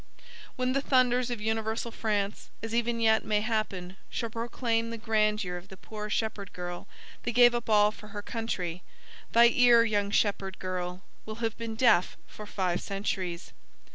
When the thunders of universal France, as even yet may happen, shall proclaim the grandeur of the poor shepherd girl that gave up all for her country thy ear, young shepherd girl, will have been deaf for five centuries.